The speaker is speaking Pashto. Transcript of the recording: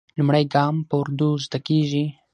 لومړی ګام په اردو زده کېږي.